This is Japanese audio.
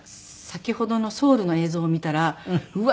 先ほどのソウルの映像を見たらうわ